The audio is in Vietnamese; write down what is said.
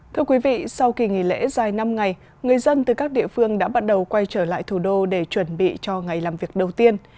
thưa quý vị sau kỳ nghỉ lễ dài năm ngày người dân từ các địa phương đã bắt đầu quay trở lại thủ đô để chuẩn bị cho ngày làm việc đầu tiên